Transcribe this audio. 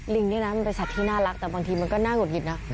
เนี่ยนะมันเป็นสัตว์ที่น่ารักแต่บางทีมันก็น่าหุดหงิดนะ